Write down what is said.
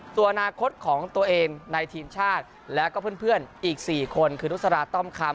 ตัวอนาคตของตัวเองในทีมชาติแล้วก็เพื่อนอีก๔คนคือนุษราต้อมคำ